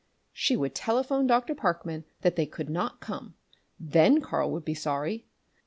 She would telephone Dr. Parkman that they could not come. Then Karl would be sorry!